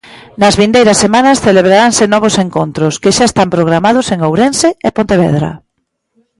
Nas vindeiras semanas celebraranse novos encontros, que xa están programados en Ourense e Pontevedra.